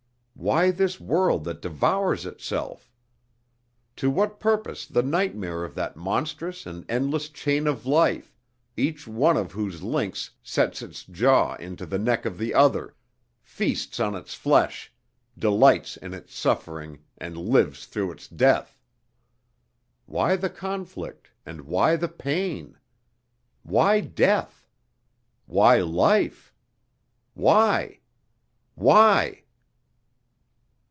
Why this world that devours itself? To what purpose the nightmare of that monstrous and endless chain of life, each one of whose links sets its jaws into the neck of the other, feasts on its flesh, delights in its suffering and lives through its death? Why the conflict and why the pain? Why death? Why life? Why? Why?...